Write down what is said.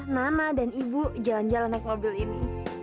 mama dan ibu jalan jalan naik mobil ini